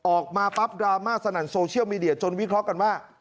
ออกมาปั๊บดราม่าสนั่นโซเชียลมีเดียจนวิเคราะห์กันว่า